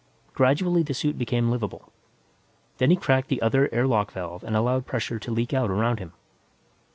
Gradually the suit became livable. Then he cracked the other air lock valve and allowed pressure to leak out around him.